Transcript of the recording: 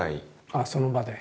ああその場で？